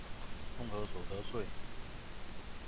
綜合所得稅